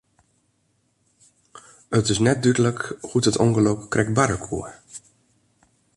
It is net dúdlik hoe't it ûngelok krekt barre koe.